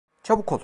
Çabuk ol.